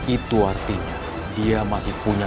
itu artinya dia masih punya